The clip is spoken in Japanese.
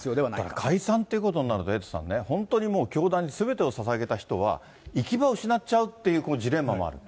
だから解散ということになると、エイトさんね、本当に教団にすべてをささげた人は、行き場を失っちゃうというジレンマもある。